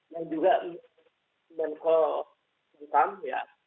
yang juga menko polkam ya